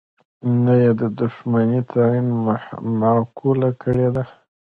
نه یې د دوښمنی تعین معقوله کړې ده.